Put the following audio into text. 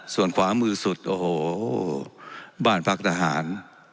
ส่วนขวามือสุดโอ้โหบ้านพักทหาร